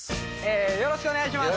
よろしくお願いします。